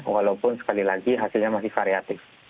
walaupun sekali lagi hasilnya masih variatif